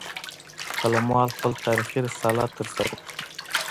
قلموال خپل تاریخي رسالت ترسره کړي